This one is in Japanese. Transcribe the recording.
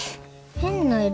変な色。